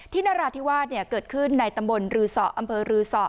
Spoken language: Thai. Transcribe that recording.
นราธิวาสเกิดขึ้นในตำบลรือสออำเภอรือสอ